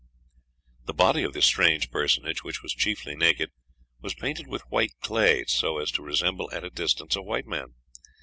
The body of this strange personage, which was chiefly naked, was painted with white clay, so as to resemble at a distance a white man.